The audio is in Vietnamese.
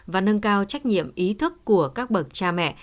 và nâng cao trách nhiệm ý thức của các bậc cha mẹ